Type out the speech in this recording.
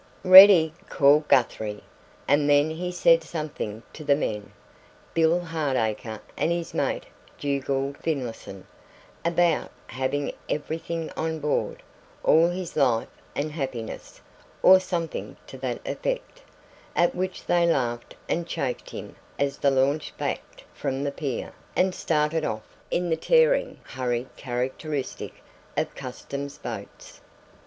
"Ready!" called Guthrie. And then he said something to the men, Bill Hardacre and his mate Dugald Finlayson, about having everything on board all his life and happiness, or something to that effect at which they laughed and chaffed him as the launch backed from the pier, and started off in the tearing hurry characteristic of Customs boats.